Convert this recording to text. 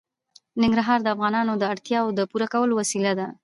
ننګرهار د افغانانو د اړتیاوو د پوره کولو وسیله ده.